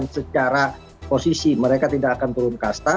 secara posisi mereka tidak akan turun kasta